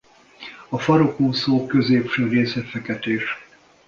A farokúszó középső része feketés.